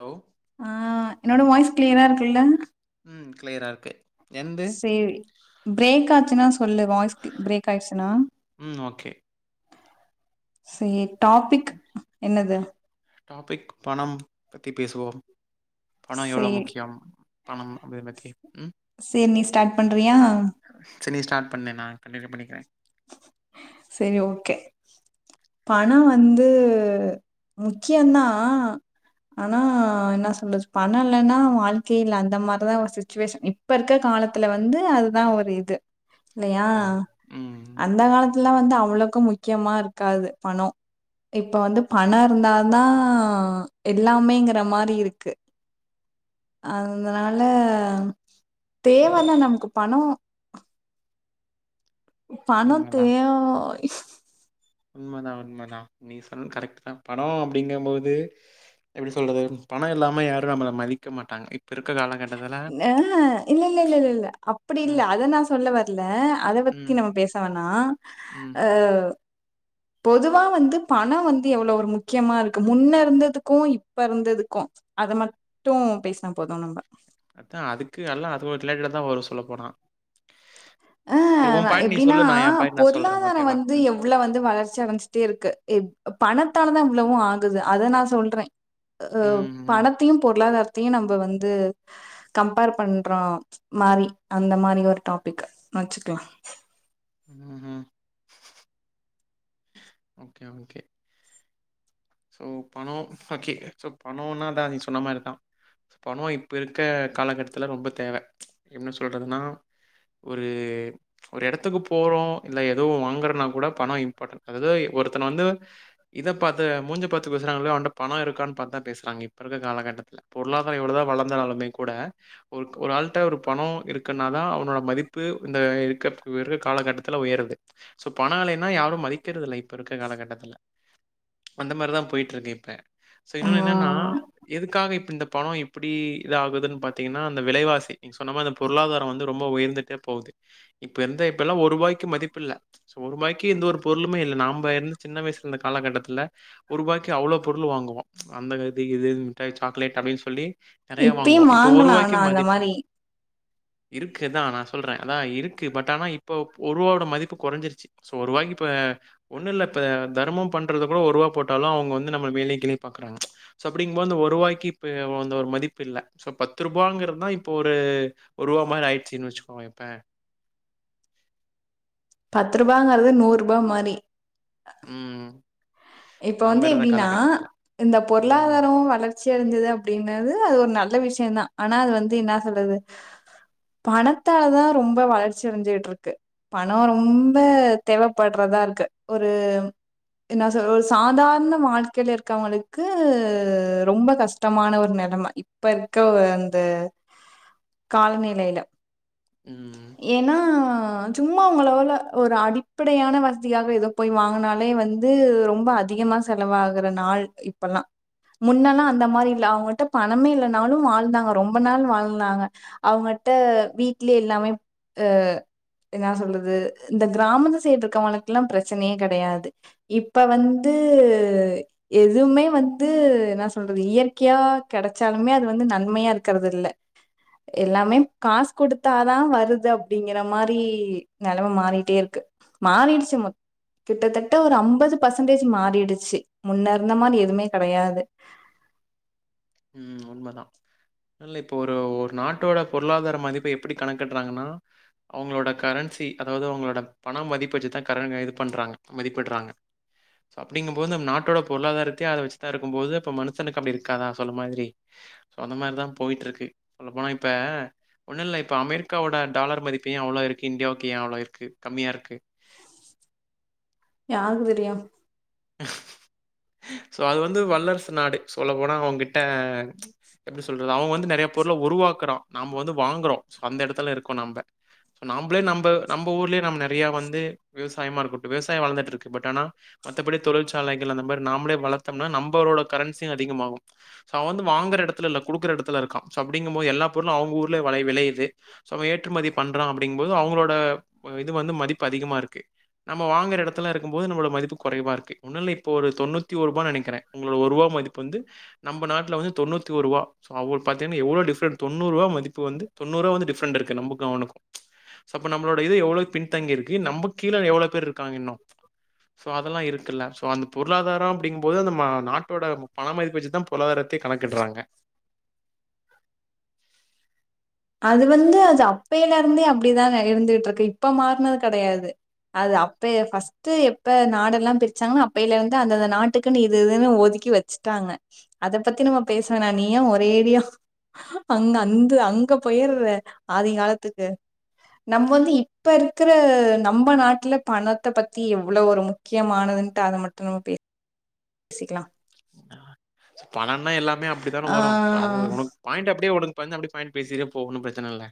Hello ஆ என்னோட voice கிளியரா இருக்குலால ம் கிளியரா இருக்கு எந்து சேரி பிரேக் ஆச்சுன்னா சொல்லு வாய்ஸ் பிரேக் ஆய்டுச்சுனா ம் ஓகே சேரி டாபிக் என்னது டாபிக் பணம் பத்தி பேசுவோம் பண எவ்வளவு சேரி முக்கியம் பணம் அப்பே பத்தி [unintelligible] சேரி நீ ஸ்டார்ட் பண்றியா செ நீ ஸ்டார்ட் பண்னு நான் கண்டின்யூ பண்ணிக்கிறேன் செரி ஓகே பணம் வந்து முக்கியம் தான் ஆனா என்ன சொல்ல பணம் இல்லேனா வாழ்க்கையே இல்லே அந்த மாதிரிதான் ஒரு சிச்சுவேஷன் இப்ப இருக்கற காலத்துல வந்து அதுதான் ஒரு இது இல்லையா ம் ம் அந்த காலத்துல வந்து அவ் அவ்வளவுக்கு முக்கியமா இருக்காது பணம் இப்ப வந்து பணம் இருந்தாதான் எல்லாமேங்கிற மாதிரி இருக்கு அதனால தேவை தான் நமக்கு பணம் பணம் தேவோய் உண்மைதான் உண்மைதான் நீங்க சொல்றது கரெக்ட் தான் பணோம் அப்டிங்கும் போது எப்டி சொல்றது பணம் இல்லாம யாரும் நம்ல மதிக்க மாட்டாங்க இப்ப இருக்கற காலகட்டத் ஏஹ இல்ல இல்ல இல்ல இல் இல்ல அப்டி இல்லே ம் அத நா சொல்ல வர் இல்லே அத பத்தி ம் நம்ம பேச வேணா ம் அ பொதுவா வந்து பணம் வந்து எவ்வளவு ஒரு முக்கியமா இருக்குது முன்னே இருந்ததுக்கும் இப்ப இருந்ததுக்கும் அத மட்டும் பேசுனாபோதும் நம்ப அதா அதுக்கு எல்லா அது ஒரு ரிலேட்டடா தா வரு சொல்ல போனா சரி உன் அஹ் பாயிண்ட் நீ எப்டீனா சொல்லு நா என் பாயிண்ட் நா சொல்றே பொருளாதாரொ ஓகேவா வந்து ம் எவ்வளவு வந்து வளர்ச்சி அடைஞச்சுட்டே இருக்கு ப் பண பத்தால தா இவ்ளவு ஆகுது அத நா சொல்றே அஹ் ம் ம் பணத்தையு பொருளாதார த்தியு நம்ப வந்து கம்பேர் பண்ற மாரி அந்த மாரி ஒரு டாபிக் வச்சுக்கலா உம் ஓகே ஓகே சோ பணொ பக்கி சோ பணோணாகா நீ சொன்ன மாரிதா பணோ இப்ப இருக்க காலகட்டத்துல ரொம்ப தேவ என்ன சொல்றதுன்னா ஒரு ஒரு எடத்துக்கு போறோ இல்ல ஏதுவு வாங்கறனா கூட பணொ இம்பார்டன்ட் அதாது ஒருத்தன வந்து இத பாத்து மூஞ்ச பாத்து பேசுறாங்களோ இல்லையோ அவன்ட்ட பண இருக்கான்னு பாத்துதா பேசுறாங்க இப்ப இருக்கற காலகட்டத்துல பொருளாதாரொ எவ்வளவுதா வளந்தாலுமே கூட ஒருக் ஒரு ஆள்ட்ட ஒரு பணோ இருக்குன்னாதா அவனோட மதிப்பு இந்த இருக்கிறதுக்கு வெறு காலகட்டத்துல உயருது சோ பணோ இல்லேன்னா யாரு மதிக்கிறதில்ல இப்ப இருக்கிற காலகட்டத்துல அந்த மாரிதா போயிட்ருக்கு இப்ப சோ ஆ இன்னோன்னு என்னன்னா எதுக்காக இப் இந்த பணோ இப்டி இது ஆகுதுன்னு பாத்தீங்னா அந்த விலைவாசி நீங் சொன்ன மாரிதா பொருளாதாரோ வந்து ரொம்ப உயர்ந்துட்டே போகுது இப்ப இந்த இப்பெல்லா ஒரு ரூபாய்க்கு மதிப்பில்ல சோ ஒரு ரூபாய்க்கு எந்த ஒரு பொருளுமே இல்ல நாம்ப இருந்த சின்ன வயசுல இருந்த காலகட்டத்துல ஒருபாய்க்கு அவ்ளோ பொருள் வாங்குவோ அந்த இது இது மிட்டாய் சாக்லேட் அப்டின்னு சொல்லி நெறைய இப்பயு வாங்குவோம். இப்ப வாங்கலா ஆனா அந்த மாரி இருக்குதா நா சொல்றே அதா இருக்கு பட் ஆனா இப்ப ஒருவாவோட மதிப்பு கொறைஞ்சிருச்சு சோ ஒருவாய்கு இப்ப ஒண்ணு இல்ல இப்ப தர்மம் பண்றத கூட ஒருவா போட் டாலு அவங்க வந்து நம்ம மேலேயு கீழயு பாக்குறாங்க சோ அப்படிங்போ அந்த ஒருவாய்க்கு இந்த ஒரு மதிப்பு இல்ல சோ பத்து ரூபாங்கறதுதா இப்போ ஒரு ஒருவா மாரி ஆயிருச்சுன்னு வெச்சுக்கோங்க இப்ப பத்து ரூபாங்கறது நூற்ருபா மாரி உம் இப்ப வந்து எப்டின்னா இந்த ம். பொருளாதாரோ வளர்ச்சி அடைஞ்சது அப்டினது அது ஒரு நல்ல விஷ யந்தா ஆனா அது வந்து இன்னா சொல்றது பணத்தாலதா ரொம்ப வளர்ச்சி அடைஞ்சிட்டு இருக்கு பணொ ரொம்ப தேவைப்படுறதா இருக்கு ஒரு என்னாஸ் ஒரு சாதாரண வாழ்க்கைல இருக்கவங்களுக்கு ரொம்ப கஷ்டமான ஒரு நெலம இப்ப இருக்க அந்த காலநிலைல ம். ஏன்னா சும்மா உங்களவுல ஒரு அடிப்படையான வசதியாக எதோ போய் வாங்குனாலே வந்து ரொம்ப அதிகமா செலவாகற நாள் இப்பல்லா முன்னெல்லா அந்த மாரி இல்ல அவங்கட்ட பணமே இல்லனாலு வாழ்ந்தாங்க ரொம்ப நாள் வாழ்ந்தாங்க அவங்கட்ட வீட்லயே எல்லாமே ஹ என்னா சொல்றது இந்த கிராமத்து சைடு இருக்கவங்களுக்கெல்லா பிரச்சனையே கெடையாது இப் இப்ப வந்து எதுவுமே வந்து என்னா சொல்றது இயற்கையா கெடைச்சாலுமே அது வந்து நன்மையா இருக்கிறதில்ல எல்லாமே காசு குடுத்தாதா வருது அப்படிங்கிற மாரி நெலம மாறிட்டே இருக்கு மாறீருச்சு மொ கிட்டத்தட்ட ஒரு ஐம்பது பர்சன்டேஜ் மாறிடுச்சு முன்னேருந்த மாரி எதுவுமே கெடையாது உம் உண்மைதா இல்ல இப்ப ஒரு ஒரு நாட்டோட பொருளாதார மதிப்ப எப்படி கணக்கிடுறாங்கன்னா அவங்ளோட கரன்சி அதாவது அவங்ளோட பணம் மதிப்ப வெச்சுதா கரங்க இது பண்றாங்க மதிப்பிடுறாங்க அப்படிங்கு போது நம் நாட்டோட பொருளாதாரத்தையே அத வெச்சுதா இருக்கு போது இப்ப மனுஷனுக்கு அப்படி இருக்காதா சொன்ன மாதிரி சோ அந்த மாரிதா போயிட்ருக்கு சொல்ல போனா இப்ப ஒண்ணு இல்ல இப்ப அமெரிக்காவோட டாலர் மதிப்பு ஏ அவ்ளோ இருக்கு இந்தியாவுக்கு ஏ அவ்ளோ இருக்கு கம்மியா இருக்கு யார்க்கு தெரியு சோ அது வந்து வல்லரசு நாடு சொல்ல போனா அவுங்கிட்ட எப்படி சொல்றது அவுங்க வந்து நறையா பொருள உருவாக்குறா நாம வந்து வாங்குறோ அந்த எடத்துல இருக்கோ நாம்ப சோ நாம்பளே நம்ப நம்ப ஊர்லயே நம்ம நறைய வந்து விவசாயமா இருக்கட்டு விவசாயொ வளர்ந்துட்டு இருக்கு பட் ஆனா மத்தபடி தொழிற்சாலைகள் அந்த இ தமாரி நாம்ளே வளத்தம்னா நம்பளோட கரன்சியு அதிகமாகோ அவ வந்து வாங்கற எடத்துலல்ல குடுக்கற எடத்துல இருக்கா சோ அப்படிங்கும் போது எல்லா பொருளு அவங்க ஊர்ல வெளையுது ஏற்றுமதி பண்றா அப்படிங்கும் போது அவுங்களோட இது வந்து மதிப்பு அதிகமா இருக்கு நாம வாங்குற எடத்துல இருக்கும் போது நம்மளோட மதிப்பு கொறைவா இருக்கு ஒன்னுல்ல இப் ஒரு தொண்ணூத்தி ஒருபான்னு நெனைக்கறே உங்களோட ஒர்ருவா மதிப்பு வந்து நம்ப நாட் ட்ல வந்து தொண்ணூத்தி ஓருவா சோ அவுளுக் பாத்தீங்கன்னா எவ்ளோ டிஃபரென்ட் தொண்ணூருவா மதிப்பு வந்து தொண்ணூர்வா டிஃபரண்ட் இருக்கு நம்புக்கு அவனுக்கோ சோ அப்ப நம்ளோட இது எவ்ளோ பின் தங்கி இருக்கு நம்பக் கீழ எவ்வளவு பேர் இருக்காங்க இன்னு சோ அதெல்லா இருக் ல்லாம் சோ அந் பொருளாதாரோ அப்டிங்கும்போது அந்த நாட்டோட பண மதிப்பச்சுதா பொருளாதாரத்த கணக்கிடுறாங்க அது வந்து அது அப்பையில இருந்தே அப்டிதா இருந்துகிட்டு இருக்கு இப்ப மாற்னது கெடையாது அது அப்ப ஃபர்ஸ்ட் எப்ப நாடு எல்லா பிரிச்சாங்கன்னா அப்பையில இருந்து அந்தந்த நாட்டுக்குன்னு இது இதுன்னு ஒதுக்கி வெச்சுட்டாங்க அதை பத்தி நம்ம பேச வேணா நீ ஏன் ஒரேடியா அங்க அந்து அங்க போயிருற ஆதி காலத்துக்கு நம்ம வந்து இப்ப இருக்கிற நம்ம நாட்டுல பணத்தை பத்தி எவ்வளவு ஒரு முக்கியமானதுன்ட்டு அத மட்டு நம்ம பே சிக்கலா பணம்ன்னா எல்லாமே அப்படித்தானே ஆ வரும் அது உனக்கு பாயிண்ட் அப்படியே விடு கொஞ்சோ இப்ப வந்து அப்படி பாயிண்ட் பேசிட்டு போகும் பிரச்சன இல்ல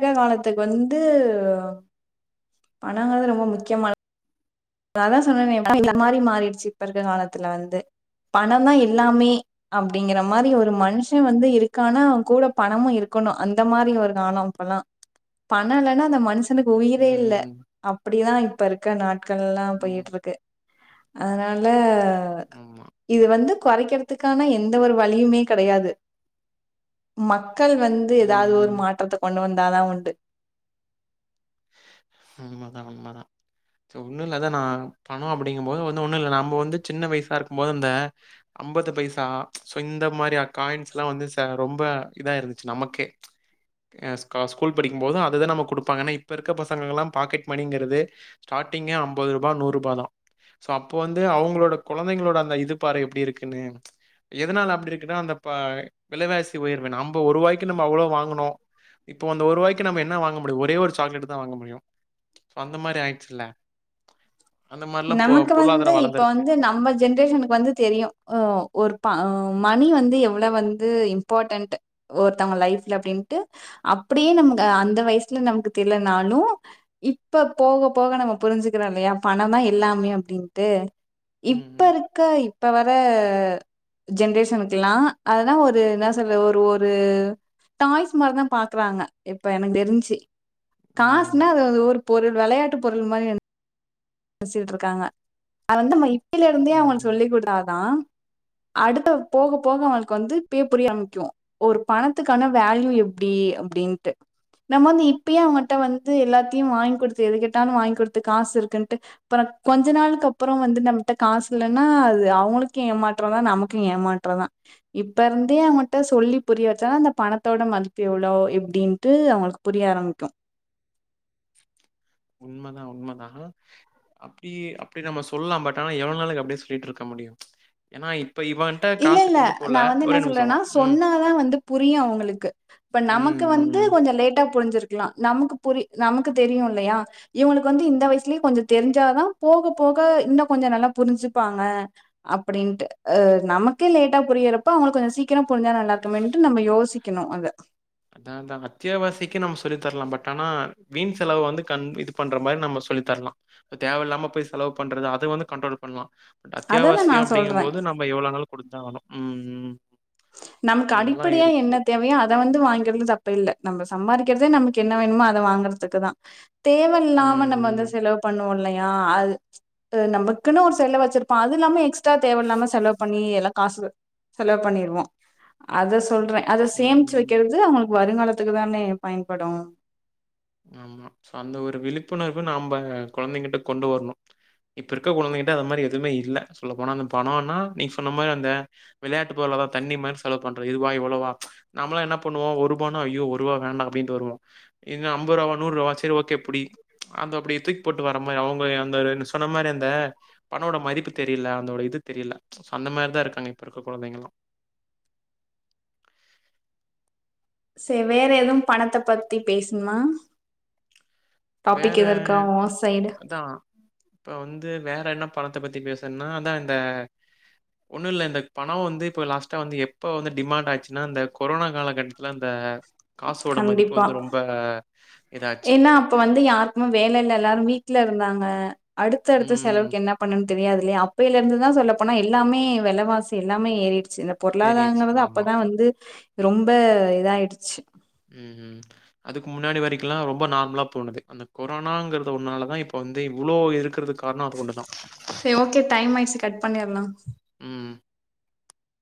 பழைய காலத்துக்கு வந்து பணங்க தா ரொம்ப முக்கியமா அதா சொன்னே மாதிரி மாறிடுச்சு இப்ப இருக்க காலத்துல வந்து பணம் தான் எல்லாமே அப்படிங்கற மாதிரி ஒரு மனுஷன் வந்து இருக்கு க்கான கூட பணமும் இருக்கணோ அந்த மாரி ஒரு காலம் இப்பல்லா பணம் இல்ன்னா அந்த மனுஷன் க்கு உயிரே இல்ல ம். அப்பிடிதா இப்ப இருக்க நாட் கள்லா ம். போயிட்டு இருக்கு அதனால ஆமா. இது வந்து கொறைக்கிறதுக்கான எந்த ஒரு வழியுமே கெடையாது மக்கள் வந்து ம். ஏதாவது ஒரு ம். மாற்றத்த கொண்டு வந்தாதா உண்டு உண்மதா உண்மதா ஒன்னோ இல்லதா நா பணோ அப்டிங்கும்போது வந்து ஒண்ணோ இல்ல நம்ம வந்து சின்ன வயசா இருக்கும் போது அந்த அம்பது பைசா இந்த மாரியா காயின்ஸ் எல்லா வந்து ச ரொம்ப இதா இருந்துச்சு நமக்கே ஸ்கூல் படிக்கும் போது அதுதா நமக்கு குடுப்பாங்க ஏன்னா இப்ப இருக்குற பசங்கங்கள்ல்லா பாக்கெட் மணிங்கிறது ஸ்டார்டிங்கே அம்பதுருபா நூறுபாதா சோ அப்போ வந்து அவுங்களோட கொழந்தைங்களோட அந்த இது பாரே எப்டி இருக்குன்னு எதனால அப்டி இருக்குனா அந்த ப வெலைவாசி ஒயர்வு நம்ப ஒருவாய்கு நம்ப அவ்ளோ வாங்கணோ இப்ப அந்த ஒருரூபாய்க்கு என்ன நாம வாங்க முடியோ ஒரே ஒரு சாக்லேட்டு தா வாங்கமுடியோ சோ அந்த மாரி ஆயிடுச்சுல நமக்கு வந்து இப்ப வந்து நம்ம ஜென்ரேஷனுக்கு வந்து தெரியோ உ ஒரு பா உ ம ணி வந்து எவ்ளவு வந்து இம்பார்ட் ஒருத்தவங்க லைஃப்ல அப்டீண்டு அப்டியே நம்ப ஆ அந்த வயசுல நமக்கு தெரினாலோ இப்ப போக போக நம்ம புரிஞ்சுக்கிறோ இல்லா பணம் தா எல்லாமே அப்படின்ட்டு ம், இப்ப ம். இருக்க இப்ப வர ஜென்ரேஷனுக்குலா அதுதா ஒரு என்ன சொல்ற ஒரு ஒரு டாய்ஸ் மாரிதா பாக்குறாங்க இப்ப எனக்கு தெரிஞ்சு ஆமாமா. காசுன்னா அது வந்து ஒரு பொருள் வெளையாட்டு பொருள் மாரி நென ச்சிட்டு இருக்காங்க அது வந்து நம்ம இப் பயலிருந்தே அவுங்குளுக்கு ம். சொல்லி் குடுத்தாதா அடுத்த போக போக அவுங்களுக்கு வந்து இப்பயே புரிய ஆம்பிக்கோ ஒரு பணத்துக்கான வேல்யூ எப்டி அப்டின்ட்டு நம்ம வந்து இப்பயே அவுங்ககிட்ட வந்து எல்லாத்தையு வாங்கி் குடுத்து எதுக்கெட்டால வாங்கி் குடுத்து காசு இருக்குன் ட்டு அப்புறோ கொஞ்ச நாளுக்கப்புறோ வந்து நம்முள்ட்ட காசு இல்லன்னா அது அவுங்களுக்கே ஏமாற்றோதா நமக்கு ஏமாற்றோதா இப்ப இருந்தே அவுங்குள்ட்ட சொல்லி புரிய வெச்சாலா அந்த பணத்தோட மதிப்பு எவ்ளோ எப்படின்ட்டு அவுங்குளுக்கு புரிய ஆரம்பிக்கோ உண்மதா உண்மதா அப்டி அப்டி நம்ம சொல்லலா பட் ஆனா எவ்வளவு நாளுக்கு அப்டியே சொல்லிட்டு இருக்க முடியோ ஏனா இப் இல்ல இல்ல நா வந்து என்ன நிமிஷம். சொல்றேன்னா ம். சொன்னாதா வந்து புரியு அவுங்களுக்கு இப்ப நமக்கு ம். வந்து ம். கொஞ்சோ லேட்டா புரிஞ்சிருக்கலா நமக்கு புரிய நமக்கு தெரியு இல்லையா இவுங்களுக்கு வந்து இந்த வயசுலேயே கொஞ்ச தெரிஞ்சாதா போக போக இன்னு கொஞ்ச நல்லா புரிஞ்சுப்பாங்க அப்படின்ட்டு ஆ நமக்கே லேட்டா புரியறப்போ அவுங்களுக் கொஞ்சோ சீக்கிர புரிஞ்சா நல்லா இருக்கு மேன்ட்டு நம்ம யோசிக்கணு அத அதா தா அத்தியாவசிக்கு நம்ம சொல்லித்தரலா பட் ஆனா வீண் செலவு வந்து கண் இது பண்ற மாரி நம்ம சொல்லித்தரலா தேவையில்லாம போய் செலவு பண்றது அத வந்து கண்ட்ரோல் பண்ணலா அத தான் அத்தியாவாசிய நான் அப்படிங்கும் சொல்றேன். போது நம்ம எவ்ளோ நாலு குடுத்தா ஆகனு ம் நமக்கு இதெல்லாம் அடிப்படையா இருக்கு. என்ன தேவையோ அத வந்து வாங்கி கிறது தப்போ இல்ல நம்ம சம்பாரிக்கிறதே நமக்கு என்ன வேணுமோ அத வாங்குறதுக்கு தா தேவ இல்லாம நம்ம ம். வந்து ம். செலவு பண்ணுவோ இல்ல யா அது நம்மக்குன்னு ஒரு செலவு வச்சிருப்போ அதுல்லாம எக்ஸ் ட்றா தேவ இல்லாம செலவு பண்ணி எல்லா காசு செலவு பண்ணிருவோ அத சொல்றே அத சேமிச்சு ம். வைக்கிறது அவுங்க வருங்காலத்துக்கு தானே பயன்படும் ஆமா அந்த ஒரு விழிப்புணர்வு நாம்ப கொழந்தைங்ககிட்ட கொண்டு வருனு இப்பருக்க கொழந்தைகிட்ட அது மாரி எதுமே இல்ல சொல்ல போனா அந்த பணம்னா நீங்க சொன்ன மாரி அந்த விளயாட்டு பொருலதா தண்ணி மாரி செலவு பண்ற இதுவா இவ்ளவா நம்மளா என்ன பண்ணுவோ ஒருபானா ஐயோ ஒருவா வேண்டா அப்டின்ட்டு வருவோ இத் ஐம்பரூவாவா நூறுவாவா செரி ஓகே புடி அந்த அப்டி தூக்கி போட்டு வர மாரி அவுங்க அந்த சொன்ன மாரி அந்த பணோட மதிப்பு தெரியில அந்தோட இது தெரியில அந்த மாரி தா இருக்காங்க இப்ப இருக்க கொழந்தைங்கெல்லா சே வேற எதுவு பணத்த பத்தி பேசுனுமா வேற அதா இப்ப வந்து வேற என்ன பணத்த பத்தி பேசன்னா அதா இந்த ஒண்ணுல்ல இந்த பணோ வந்து இப்ப லாஸ்டா வந்து இப்ப வந்து டிமாண்ட் ஆயிச்சுன்னா இந்த கொரோனா காலகட்டத்துல அந்த காசோட மதிப்பு வந்து ரொம்ப இதாச்சு ஏனா அப்ப வந்து யாருக்மும் வேல இல்ல எல்லாரு வீட்டுல இருந்தாங்க அடுத்த அடுத்த ம் செலவுக்கு என்ன பண்ணன் தெரியாது இல்லையா அப்பையிலருந்து தா சொல்லப் போனா எல்லாமே வெல வாசி எல்லாமே ஏறிட் சின்ன ஏறியாச்சு பொருளாதாரங்கறத ஆமாம் அப்பதா வந்து ரொம்ப இதாயிடுச்சு ம் ம் அதுக்கு முன்னாடி வரைக்குல்லா ரொம்ப நார்மலா போனது அந்த கொரோனாங்கிறது ஒன்னாலதா இப்ப வந்து இவ்ளோ இருக்கிறதுக்கு காரணம் அது ஒன்று தான் செரி ஓகே டைம் ஆயிச்சு கட் பண்ணிரலா ம்